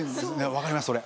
分かりますそれ。